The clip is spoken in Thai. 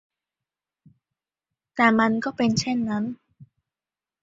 แต่มันก็เป็นเช่นนั้น